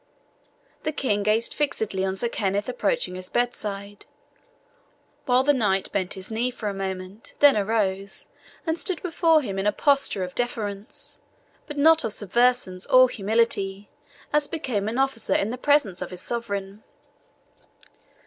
The King gazed fixedly on Sir Kenneth approaching his bedside, while the knight bent his knee for a moment, then arose, and stood before him in a posture of deference, but not of subservience or humility, as became an officer in the presence of his sovereign.